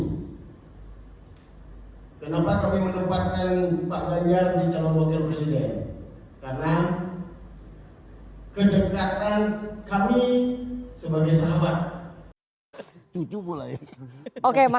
hai kenapa kami menempatkan pak danyar di calon model presiden karena